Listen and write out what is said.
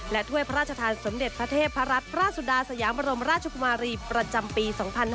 ถ้วยพระราชทานสมเด็จพระเทพรัตนราชสุดาสยามบรมราชกุมารีประจำปี๒๕๕๙